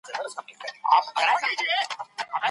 د طبیعي سرچینو کارول د پرمختګ لامل دی.